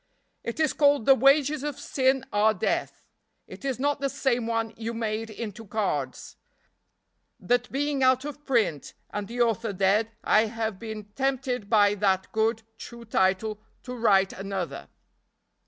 "It is called 'The Wages of Sin are Death.' It is not the same one you made into cards; that being out of print and the author dead I have been tempted by that good, true title to write another.